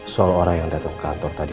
soal orang yang dateng kantor tadi